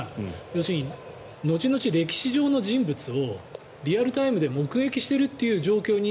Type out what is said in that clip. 要するに後々、歴史上の人物をリアルタイムで目撃しているという状況に。